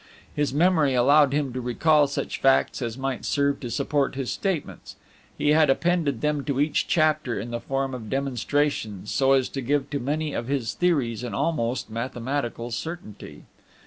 His memory allowed him to recall such facts as might serve to support his statements; he had appended them to each chapter in the form of demonstrations, so as to give to many of his theories an almost mathematical certainty.